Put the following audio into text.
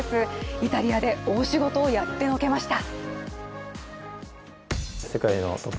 イタリアで大仕事をやってのけました。